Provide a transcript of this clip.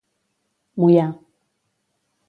Moià.